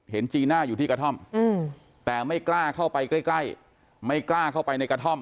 จีน่าอยู่ที่กระท่อมแต่ไม่กล้าเข้าไปใกล้ไม่กล้าเข้าไปในกระท่อม